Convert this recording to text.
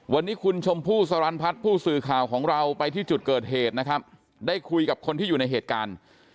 วันนี้คุณชมพู่สรรพัฒน์ผู้สื่อข่าวของเราไปที่จุดเกิดเหตุนะครับได้คุยกับคนที่อยู่ในเหตุการณ์